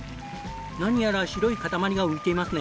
何やら白い塊が浮いていますね。